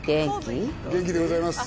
元気でございます。